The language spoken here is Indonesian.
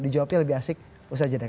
dijawabnya lebih asik usahanya deh